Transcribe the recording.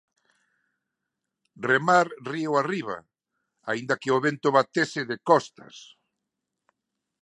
Remar río arriba, aínda que o vento batese de costas.